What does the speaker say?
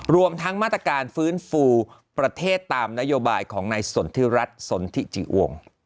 รวมทั้งมาตรการฟื้นฟูประเทศตามนโยบายของนายสนทิรัฐสนทิจิวง